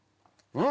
うん？